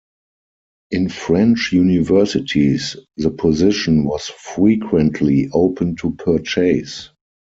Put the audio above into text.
In French universities, the position was frequently open to purchase.